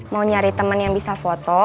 mau nyari teman yang bisa foto